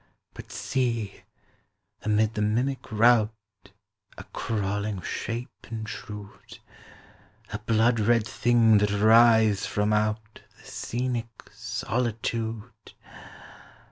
But see amid the mimic rout 25 A crawling shape, intrude: A blood red thing that writhes from out The scenic solitude!